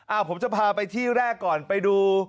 ผมจะพาไปที่แรกก่อนไปดู